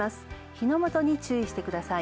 火の元に注意してください。